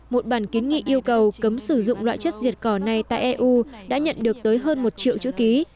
một bản kiến nghị yêu cầu cấm sử dụng loại chất diệt cỏ này tại eu đã nhận được tới hơn một triệu chữ ký